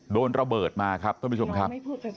โดนระเบิดมาครับท่านผู้ชมครับ